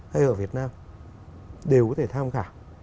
hay ở việt nam đều có thể tham khảo